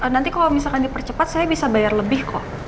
nanti kalau misalkan dipercepat saya bisa bayar lebih kok